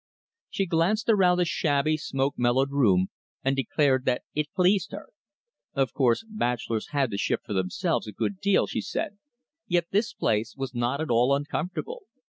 She glanced around the shabby, smoke mellowed room, and declared that it pleased her. Of course bachelors had to shift for themselves a good deal, she said, yet this place was not at all uncomfortable.